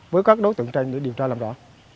với các đối tượng trên địa điểm tra làm rõ